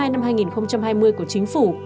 năm hai nghìn hai mươi của chính phủ